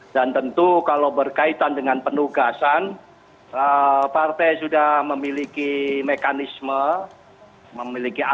dan tentu kalau berkaitan dengan penugasan partai sudah memiliki mekanisme memiliki aturan